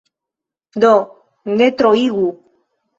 Do, ne troigu.